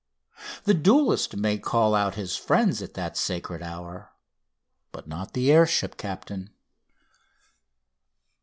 The duellist may call out his friends at that sacred hour, but not the air ship captain.